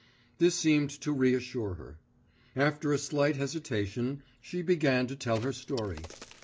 This seemed to reassure her. After a slight hesitation she began to tell her story.